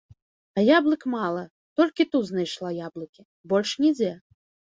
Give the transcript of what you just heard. А яблык мала, толькі тут знайшла яблыкі, больш нідзе.